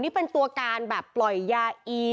เป็นตัวการปล่อยยาอี